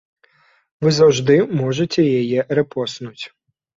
Вы заўжды можаце яе рэпостнуць.